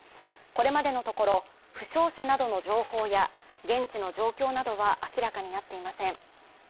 これまでのところ、負傷者などの情報や現地の状況などは明らかになっていません。